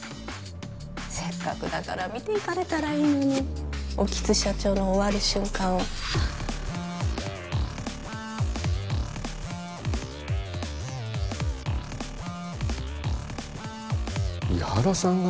せっかくだから見ていかれたらいいのに興津社長の終わる瞬間を伊原さんが？